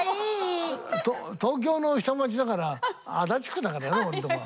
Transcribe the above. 東京の下町だから足立区だからね俺んとこは。